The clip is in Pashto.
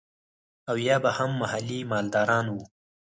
او يا به هم محلي مالداران وو.